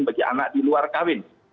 bagi anak di luar kawin